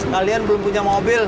kalian belum punya mobil